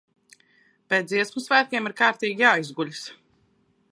Pēc Dziesmu svētkiem ir kārtīgi jāizguļas!